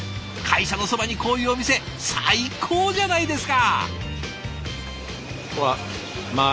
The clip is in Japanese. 会社のそばにこういうお店最高じゃないですか！